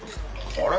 あれ？